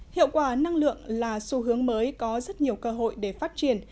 hiệu quả năng lượng là xu hướng mới có rất nhiều cơ hội để phát triển